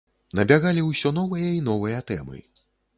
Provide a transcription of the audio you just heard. Набягалі ўсё новыя й новыя тэмы.